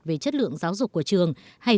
về chất lượng giáo dục của trường hay